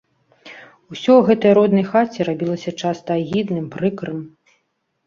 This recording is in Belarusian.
Усё ў гэтай роднай хаце рабілася часта агідным, прыкрым.